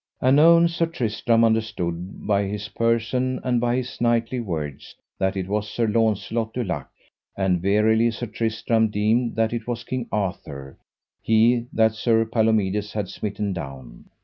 Anon Sir Tristram understood by his person and by his knightly words that it was Sir Launcelot du Lake, and verily Sir Tristram deemed that it was King Arthur, he that Sir Palomides had smitten down.